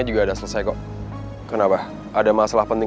iya kenapa bi